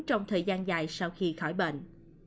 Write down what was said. trong thời gian dài sau khi khỏi bệnh